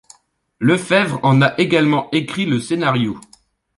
Lefebvre en a également écrit le scénario.